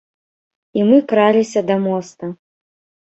І мы краліся да моста.